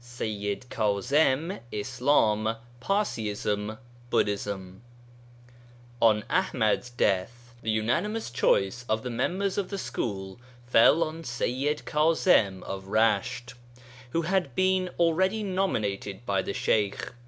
SEYYID KAẒIM ISLAM PARSIISM BUDDHISM On Aḥmad's death the unanimous choice of the members of the school fell on Seyyid (Sayyid) Kaẓim of Resht, who had been already nominated by the Sheykh.